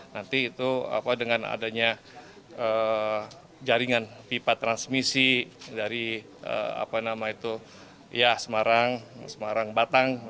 nanti itu dengan adanya jaringan pipa transmisi dari semarang batang